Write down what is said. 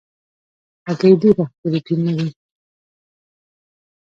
هګۍ ډېره پروټین لري.